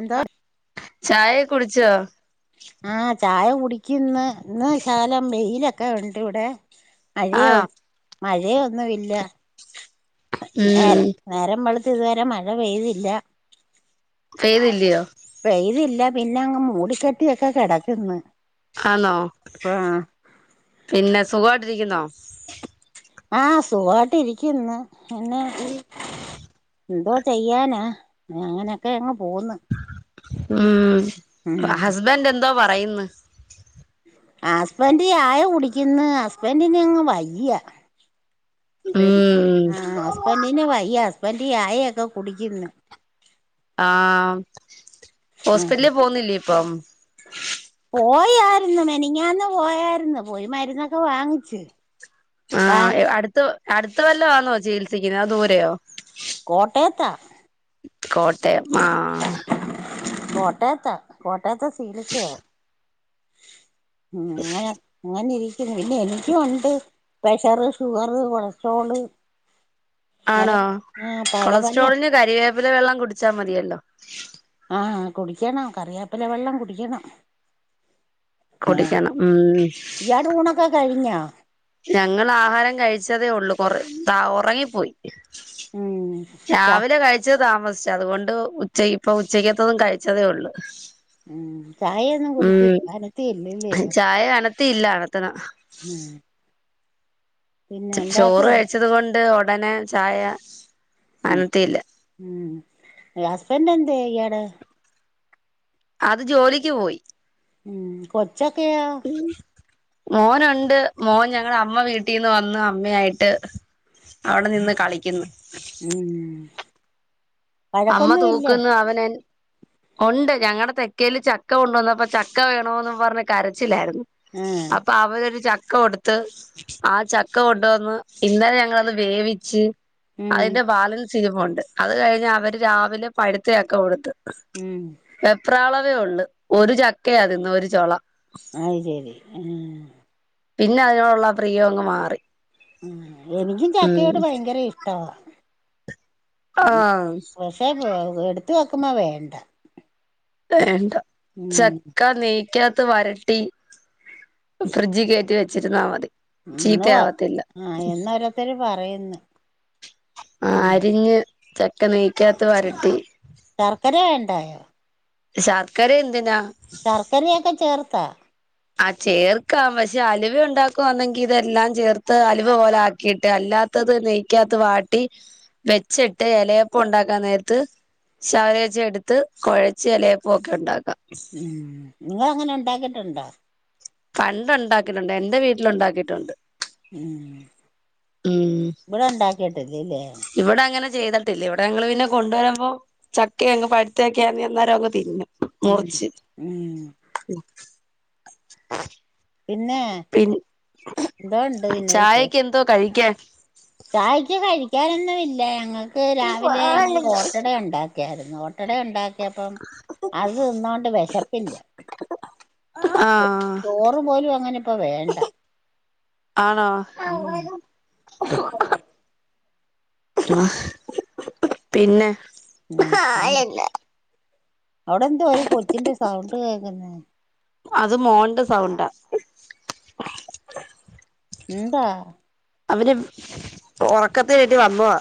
എന്തോ ചായ കുടിച്ചോ? ആ ചായ കുടി ന്ന് ഇന്ന് ശകലം വെയില ക്കെ ഒണ്ടിവിടെ അഴെയോ ആണോ? മഴയൊന്നും ഇല്ല. നേര ഉം നേരമ്മള ഇതുവരെ മഴ പെയ്തില്ല. പെയ്തില്ലയോ പെയ്തില്ല പി ന്നങ്ങ് മൂടിക്കെട്ടിയൊക്കെകെടക്കന്ന്. ആണോ പിന്നെ സുഖ ട്ടിരിക്കുന്നോ ആ സുഖായിട്ടിരിക്കുന്ന്. [inaudible] എന്തോ ചെയ്യാനാ അങ്ങനെയൊക്കെയങ്ങ് പോകുന്ന്‌. ഉം ഹസ്ബൻഡ് എ എന്തോ പറയുന്ന്. ഹസ്ബൻഡ് ചായ കുടി ഇന്ന് ഹസ്ബൻഡന് അങ് വയ്യ. ഉം ആ ഹസ്ബൻഡിനു വയ്യ. ബന്റ് ചായൊക്കെ കുടിക്കിന്ന്. ആഹ്. ആ ഹോസ്പിറ്റല പോകുന്നില്ലേ? അപ്പം പോയായിരുന്നു മെനിങ്ങാന്ന് പോയായിരുന്നു പോയി മരുന്നൊക്കെ വാങ്ങിച്ചു. ആ അടുത്ത അടുത്ത വല്ല ആന്നോ ചീൽ പഠിക്കുന്നത് അ ദൂരെയോ? കോട്ടയത്താ. കോട്ടയം ആഹ്. കോട്ടയത്ത കോട്ടയത്തെ ശീലിച്ചയ ഉ അങ്ങന അങ്ങന ഇരി പിന്നെ എനിക്കും ഉണ്ട് പ്രഷറ് ഷുഗറ് കൊളസ്ട്രോള് അങ്ങനെ ആണോ ആഹ് പല പല കൊളസ്ട്രോളിന് കറിവേ പിലെ വെള്ളം കുടിച്ചാൽ മതിയല്ലോ ആഹ കുടിക്കണം കറിയേപ്പില വെള്ളം കുടിക്കണം ആഹ കുടിക്കണം ഉം ഇയാട ഊണൊക്കെ കഴിഞ്ഞാ [inaudible] ഞങ്ങൾ ആഹാരം കഴിച്ചതേ ഉള്ളൂ കൊറഉറങ്ങിപ്പോയി ഉം ചാ താമസിച്ച അതുകൊണ്ട് ഉച്ച ഇപ്പൊ ഉച്ചക്കതത് കഴിച്ചതേ ഉള്ളൂ ഉം ചായൊന്നും കുടിച്ചില്ല അനത്തി ഇല്ലല്ലേ ത്തിയില്ല അകത്തണം മ്മ് ചോറ് കഴിച്ചത് കൊണ്ട് കട്ടനെ ചായ ഉം അനത്തി ഇല്ല ഉം ഹസ്ബൻഡ് എന്തെ ഇയാൾടെ അത് ജോലിക്ക് പോയി കൊച് ച്ചക്കയാ മോനുണ്ട് മോൻ ഞങ്ങളുടെ അമ്മ വീട്ടിൽന്ന് വന്ന് അമ്മയായിട്ട് അവിടെ നിന്ന് കളിക്കുന്നു ഉം അമ്മ വഴക്കൊന്നുമില്ലേ തൂക്കുന്നു അവന ഉണ്ട് ഞങ്ങളുടെ തെക്കൽ ചക്ക ഉണ്ടുവന്ന അപ്പ ചക്ക വേണോന്ന് പറഞ്ഞ കരച്ച ലായിരുന്നു ആഹ് അപ്പൊ അവരോരു ച ചക്ക കൊടുത്ത് ആ ചക്ക കൊണ്ടുവന്ന് ഇന്നലെ ഞങ്ങളത് വേവിച്ച് ഉം അതിന്റെ വാലിൽ ചിന് പോണ്ട് അത് കഴിഞ്ഞ അവൻ രാവിലെ പഴുത്തചക്ക കൊടുത്ത് ഉം വെപ്രാള അത്ര ഉള്ള ഒരു ചക്കയതിന്ന് ഒരു ചോള അത് ശെരി ആ പിന്നെ അതിനോടുള്ള പ്രിയോ അങ്ങ് മാറി ഉ എനിക്കും ഉം ചക്കയോട് ഭയങ്കര ഇഷ്ടവാ ഉ ആഹ് പഷേ പോവും എടുത്ത വെക്കുമ്പോ വേണ്ട വേണ്ട ഉം ചക്ക നീ ഒക്കകത്ത് വരട്ടി ഫ്രിഡ്ജ് കയറ്റി വെച്ചിരുന്നാൽ മതി ഉന്ന് ചീത്തയാവത്തില്ല ആഹ എന്നൊരോത്തര് പറയന്ന് ആ അരിഞ്ഞ് ചക്ക നെയക്കാത്ത വരട്ടി ശർക്കരേണ്ടായോ ശാർക്കാര എന്തിനാ ശർക്കരയൊക്കെ ചേർത്താ ആ ചേർക്കാം പക്ഷെ അലുവ ഉണ്ടാക്കുകവാന്നെങ്കി ഇതെല്ലാം ചേർത്ത് അലുവ് പോലെ ആക്കിട്ട് അല്ലാത്തത് നെയ്ക്കാത്ത വാട്ടി വെച്ചിട്ട് ഇലയപ്പ ഉണ്ടാക്കാൻ നേരത്ത് ശവരച്ച എടുത്ത് കുഴച്ച് ഇലയപ്പൊക്കെ ഉണ്ടാക്കാം ഉം നിങ്ങ അങ്ങനെ ഉണ്ടാക്കിട്ടുണ്ടോ പണ്ട ഉണ്ടാക്കിട്ടുണ്ട് എൻന്റെ വീട്ടില ഉണ്ടാക്കിട്ടുണ്ട് ഉം ഇവിടെ ഉണ്ടാക്കി ഇല്ലേ ഇവിടെ അങ്ങനെ ചെയ്തിട്ടില്ല ഇവിടെ ഞങ്ങള്ൾ പിന്നെ കൊണ്ടുവരുമ്പോ ചക്കങ് പഴുത്തൊക്കൊന്നര അങ് തിന്നും ഉം മുറിച്ചു ഉം [unintelligible] പിന്നെ പിൻ എന്തോ ഉണ്ട് പിന്നെ വിശേ ചായൊക്കെ എന്തോ കഴിക്കാൻ ചായക്ക് കഴിക്കാനൊന്നും ഇല്ല ഞങ്ങൾ ക്ക് രാവിലെ ഞങ്ങൾ ഓട്ടട ഉണ്ടാക്കി ഒക്കെയായിരുന്നു ഒട്ടട ഉണ്ടാക്ക പ്പം അത് തിന്നോണ്ട് വിശപ്പില്ല ആഹ് ചോറ് പോലും അങ്ങനെ ഇപ്പ വേണ്ട ഉ ആ പിന്നെ ആഹ ശ ആളെന്ന് അവിടെ എന്തോ ഒരു കൊച്ചിന്റെ സൗണ്ട് കേക്കുന്ന അത് മോന്റെ സൗണ്ടാ ഉന്താ അവര് ഉറക്കത്തിന്ന് വന്നതാ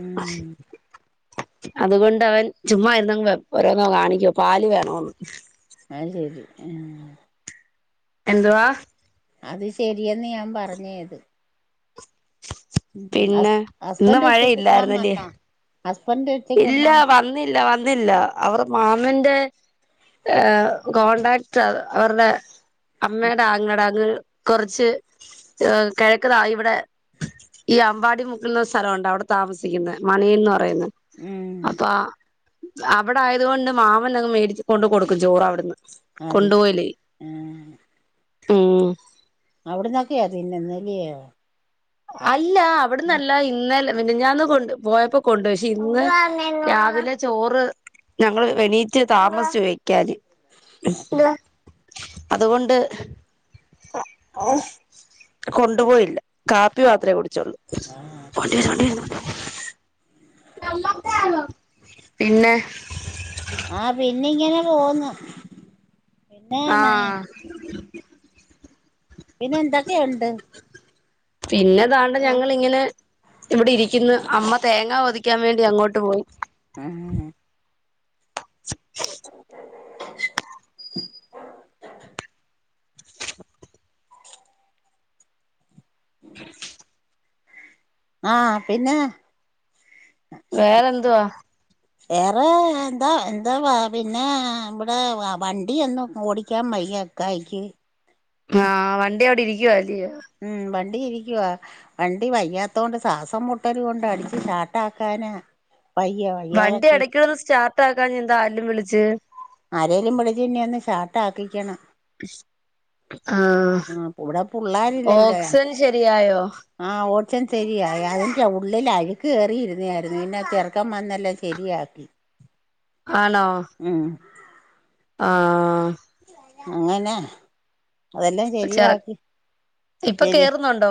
ഉം [inaudible] അതുകൊണ്ട് അവൻ ചുമ്മായിരുന്നങ്ങനെ ഓരോന്നോ കാണിക്കുവ പാല് വേണോന്ന് അഹ ശരി ആ എന്തുവാ അത് ശരിയെന്ന് ഞാൻ പറഞ്ഞത് ഉ പിന്നെ ഇന്ന് ഹസ്ബൻറ് ഉച്ചക്ക് ഉണ്ണാൻ മഴയില്ലായിരുന്നല്ലേ വന്നോ ഇല്ല വന്നില്ല വന്നില്ല അവർ മാ മാമന്റെ കോൺടാക്ട് അവരുടെ അമ്മേടാ ആങ്ങള അങ്ങ് കുറച്ച് കിഴക്കതാ ഇവിടെ ഈ അമ്പാടി മുക്കുന്ന സ്ഥലണ്ട അവിടെ താമസിക്കുന്ന മനയിൽ ന്ന് പറയുന്നത് ഉം അവിടെ ആയതുകൊണ്ട് മാമൻങ് മേടിച്ച് കൊണ്ട് കൊടുക്കും ചോറ് അവിടുന്ന് അത് ഇത് ആഹ ആ അവിടന്നൊക്കെയാതിന്നെന്നലോ അ അല്ല അവിടന്നല്ല ഇന്നലെ മിനിഞ്ഞാന്ന് പോയപ്പോ കൊണ്ട് പോയി പക്ഷെ ഇന്ന് രാവിലെ ചോറ് ഞങ്ങള് എണീറ്റ് താമസിച്ചു പോയി [unintelligible] അതുകൊണ്ട് കൊണ്ടുപോയില്ല കാപ്പി മാത്രേ കൊടു [unintelligible] പിന്നെ ആഹ പിന്നെ ഇങ്ങനെ തോന്ന ആഹ [inaudible] പിന്നെ എന്തക്കെയ ണ്ട് പിന്നെതാണ്ട് ഞങ്ങളിങ്ങനെ ഇവിടെ ഇരിക്കുന്നു അമ്മ തേങ്ങ പൊതിക്കാൻ വേണ്ടി അങ്ങോട്ട് പോയി ആ [inaudible] [inaudible] [inaudible] ആ പിന്നെ വേറെന്തുവാ വേറെ എന്താ എന്താവാ പിന്നെ ഇവിടെ വണ്ടി ഒന്നും ഓടിക്കാൻ വ യ്യ ഇക്കായിക്ക് ആ വണ്ടി അവിടെ ഇരിക്കുവ അല്ലിയോ ഉം വണ്ടി ഇരിക്കുവ വണ്ടി വയ്യാത്ത കൊണ്ട് സാസം മുട്ടൽ കൊണ്ട് അടിച്ച് ഷാട്ട ആക്കാനാ വണ്ടി എടയ്ക്കന്ന് സ്റ്റാർ ട്ടാക്കനന്താ ആരേലും വിളിച്ച് ആരേലും വിളിച്ചിനി ഒന്ന് ഷാർട്ട് ആക്കിക്കണം ആഹ ആഹ് ഇവിടെ പുള്ളാരില്ലല്ലോ ഓക്സൺ ശരിയായോ ഒക്സാജൻ സെരിയായി അതിന്റെ ഉള്ളിൽ അഴുക്ക് കേയറിയിരുന്നായിരുന്നു പിന്നെ ചെറുക്കൻ വന്നെല്ലാം ശരിയാക്കി ആണോ ഉം ആ അങ്ങനെ അതെല്ലാം ശരിയാക്കി ഇപ്പ കേറുന്നൊണ്ടോ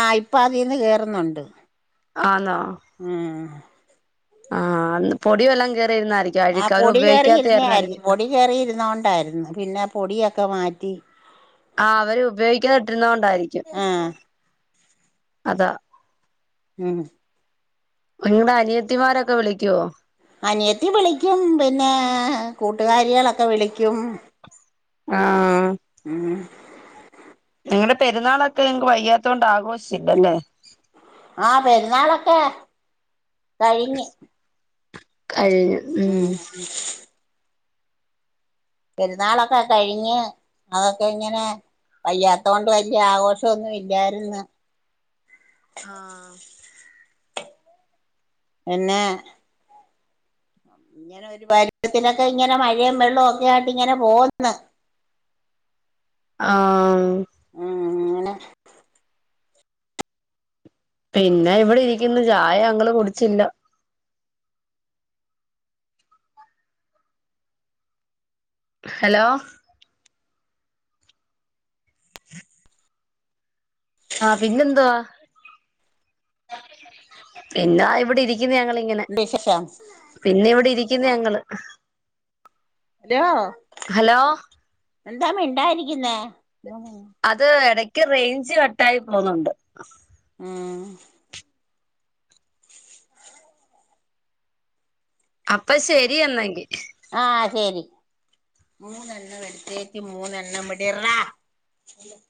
ആ ഇപ്പ അതിന്ന് കേറുന്നൊണ്ട് ആന്നോ അആ ആഹ് അന്ന് പൊടി വെല്ലോം കേ ആ പൊടി കേറി ഇരുന്നെയിരുന്ന് പൊടി കേറി ഇരുന്നോണ്ടാരുന്ന് പിന്നെ പൊടിയെ ക്കെ മാറ്റി. ആ അവര് ഉപയോഗിക്കാതിട്ടിരുന്നോണ്ടായിരിക്കും. ആഹ് അതാ മ് നിങ്ങടെ അനിയത്തിമാരൊക്കെ വിളിക്കുവോ അനിയത്തി വിളിക്കും പിന്നെ ഏ കൂട്ടുകാരികളൊക്കെ വിളിക്കും ആ മ് നിങ്ങളടെ പെരുന്നാളൊക്കെ ങ്ങക്ക് വയ്യാത്തൊണ്ട് ആഘോഷില്ലല്ലേ ആ പെരുന്നാളൊക്കെ കയിഞ്ഞ് കയിഞ്ഞ് മ് പെരുന്നാളൊക്കെ കഴിഞ്ഞ് അതൊക്കെ ഇങ്ങനെ വയ്യാത്തൊണ്ട് വലിയ ആഘോഷവൊന്നുല്ലാരുന്ന്. ആ പിന്നെ ഇങ്ങനെ ഒരു പരു വത്തിലൊക്കെ ഇങ്ങനെ മഴയും വെള്ളവും ഒക്കെ ആയിട്ട് ഇങ്ങനെ പോവു ന്ന് ആ ഉം ഇങ്ങനെ പിന്നെ ഇവിടെ ഇരിക്കുന്ന് ചായ അങ്ങള് കുടിച്ചില്ല ഹലോ [inaudible] ആഹ് പിന്നെന്തവാ പിന്നെ ഇവിടെ ഇരി ക്കന്ന് ഞങ്ങൾ ഇങ്ങനെ വിശേഷം പിന്നെ ഇവിടെ ഇരി ക്ന്ന് ഞങ്ങള് ഹലോ ഹലോ എന്താ മിണ്ടായിരിക്കുന്നേ മൂന്നെണ്ണം അത് എട ക്ക് റേഞ്ച് കട്ടായി പോന്നൊണ്ട് ആ ആ അപ്പാ ശരി എന്നെങ്കി ആ ശരി ക്ക് മൂന്ന് എണ്ണം എവിടെറാ ഹലോ.